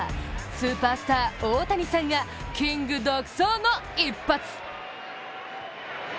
スーパースター・オオタニサンがキング独走の一発。